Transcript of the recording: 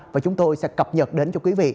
và chúng tôi sẽ cập nhật đến cho quý vị